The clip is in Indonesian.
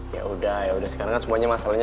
yaudah yaudah sekarang kan semuanya masalahnya